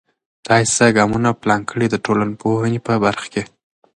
تاسې څه ګامونه پلان کړئ د ټولنپوهنې په برخه کې؟